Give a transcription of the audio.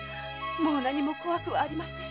もう何も怖くはありません。